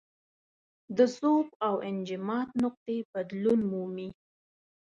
د ذوب او انجماد نقطې بدلون مومي.